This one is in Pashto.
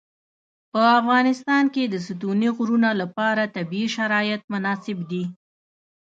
په افغانستان کې د ستوني غرونه لپاره طبیعي شرایط مناسب دي.